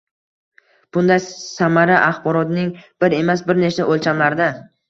Bunday samara axborotning bir emas – bir nechta o‘lchamlarda